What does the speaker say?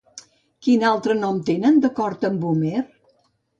Quin altre nom tenen, d'acord amb Homer?